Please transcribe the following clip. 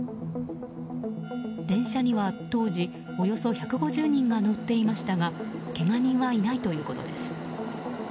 電車には当時およそ１５０人が乗っていましたがけが人はいないということです。